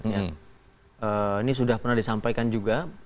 ini sudah pernah disampaikan juga